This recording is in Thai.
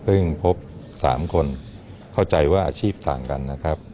เพิ่งพบสามคนเข้าใจว่าอาชีพสามกันนะครับ